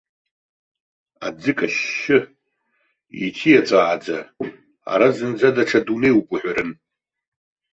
Аӡы кашьшьы, иҭиаҵәааӡа, ара зынӡа даҽа дунеиуп уҳәарын.